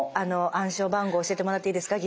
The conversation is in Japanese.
暗証番号教えてもらっていいですか？